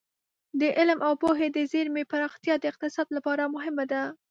د علم او پوهې د زېرمې پراختیا د اقتصاد لپاره مهمه ده.